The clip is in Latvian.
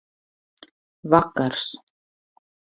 Vakars.